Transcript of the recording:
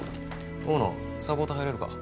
大野サポート入れるか。